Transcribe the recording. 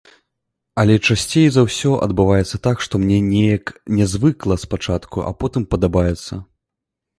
Але часцей за ўсё адбываецца так, што мне неяк нязвыкла спачатку, а потым падабаецца.